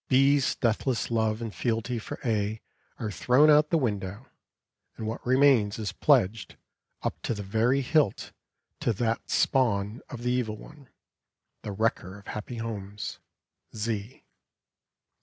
B's deathless love and fealty for A are thrown out of the window, and what remains is pledged, up to the very hilt, to that spawn of the Evil One, the wrecker of happy homes, Z.